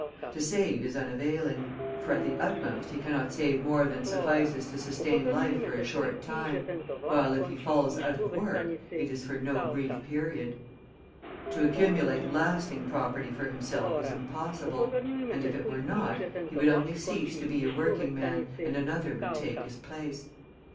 To save is unavailing, for at the utmost he cannot save more than suffices to sustain life for a short time, while if he falls out of work, it is for no brief period. To accumulate lasting property for himself is impossible; and if it were not, he would only cease to be a working man and another would take his place.